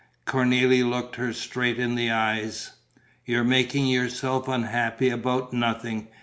Cornélie looked her straight in the eyes: "You're making yourself unhappy about nothing.